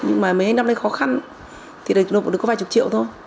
nhưng mà mấy năm nay khó khăn thì nó được có vài chục triệu thôi